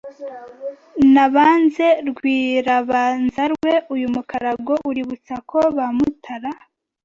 Nabanze rwirabanzarwe Uyu mukarago uributsa ko ba Mutara